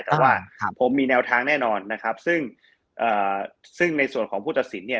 แต่ว่าผมมีแนวทางแน่นอนนะครับซึ่งเอ่อซึ่งในส่วนของผู้ตัดสินเนี่ย